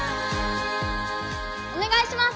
お願いします